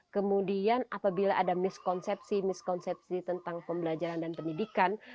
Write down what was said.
kemudian apabila ada miskonsepsi miskonsepsi tentang pembelajaran dan pendidikan